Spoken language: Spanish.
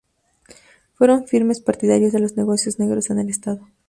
Fueron firmes partidarios de los negocios negros en el estado.